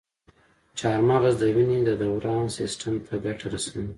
چارمغز د وینې د دوران سیستم ته ګټه رسوي.